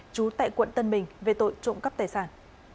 trú tại quận tân bình về tội trộm cắp tài sản